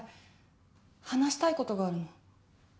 話したいことがあるの。